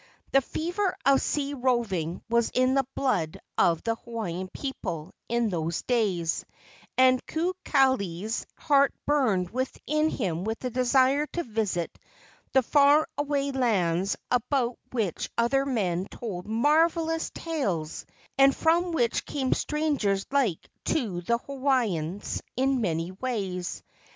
The fever of sea roving was in the blood of the Hawaiian people in those days, and Kukali's heart burned within him with the desire to visit the far away lands about which other men told marvelous tales and from which came strangers like to the Hawaiians in many ways.